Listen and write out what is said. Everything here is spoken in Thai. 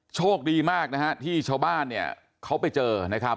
โชคดีมากที่ชาวบ้านเขาไปเจอนะครับ